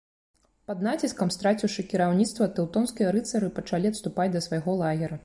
Пад націскам, страціўшы кіраўніцтва, тэўтонскія рыцары пачалі адступаць да свайго лагера.